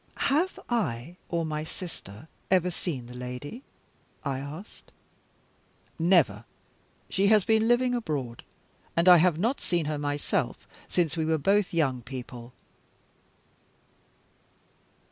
"Have I or my sister ever seen the lady?" I asked. "Never. She has been living abroad; and I have not seen her myself since we were both young people."